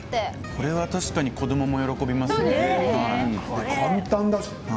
これ確かに子どもも喜びますね。